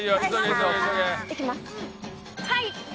はい！